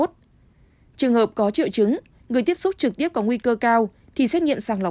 trường hợp có triệu chứng người tiếp xúc trực tiếp có nguy cơ cao thì xét nghiệm sàng lọc